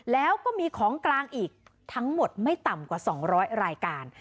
แล้วก็มีของกลางอีกทั้งหมดไม่ต่ำกว่า๒๐๐รายการ